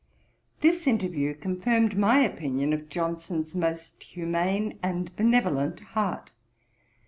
This interview confirmed my opinion of Johnson's most humane and benevolent heart.